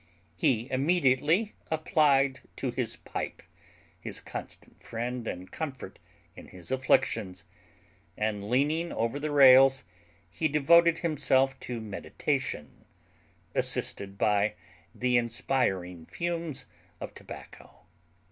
He immediately applied to his pipe, his constant friend and comfort in his afflictions; and, leaning over the rails, he devoted himself to meditation, assisted by the inspiring fumes of tobacco.